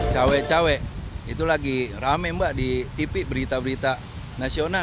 cawe cawe itu lagi rame mbak di tv berita berita nasional